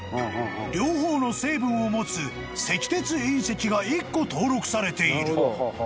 ［両方の成分を持つ石鉄隕石が１個登録されている］